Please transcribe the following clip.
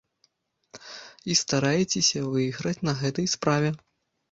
І стараецеся выйграць на гэтай справе.